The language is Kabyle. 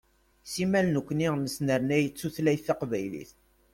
Simmal nekni nesnernay tutlayt taqbaylit.